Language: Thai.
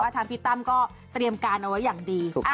ถ้าพี่ตั้มก็เครื่องต้องเอาไว้อย่างดี